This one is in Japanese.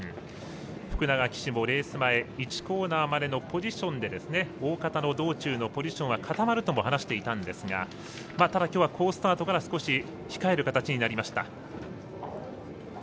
福永騎手もレース前１コーナー前のポジションでおおかたの道中のポジションは固まるとも話していたんですがただ、きょうは好スタートから控える形になりました。